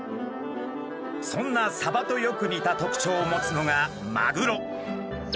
そんなサバとよく似た特徴を持つのがマグロ。